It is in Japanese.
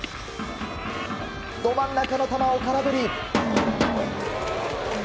ど真ん中の球を空振り。